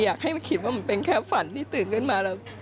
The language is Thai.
อยากให้มีคิดมันแค่ฝันที่ตื่นขึ้นมา